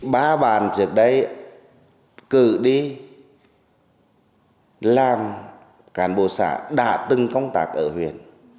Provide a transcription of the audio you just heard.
ba bàn trước đây cử đi làm cản bộ xã đã từng công tạc ở huyền